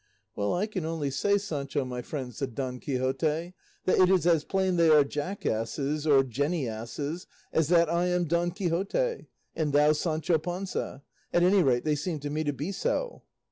"Well, I can only say, Sancho, my friend," said Don Quixote, "that it is as plain they are jackasses or jennyasses as that I am Don Quixote, and thou Sancho Panza: at any rate, they seem to me to be so."